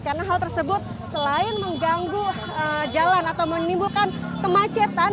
karena hal tersebut selain mengganggu jalan atau menimbulkan kemacetan